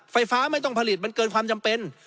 ไม่ต้องผลิตมันเกินความจำเป็น